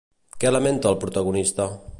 Què lamenta el protagonista?